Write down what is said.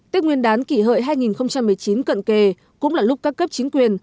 tết nguyên đán kỷ hợi hai nghìn một mươi chín cận kề cũng là lúc các cấp chính quyền